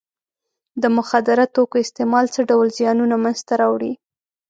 د مخدره توکو استعمال څه ډول زیانونه منځ ته راوړي.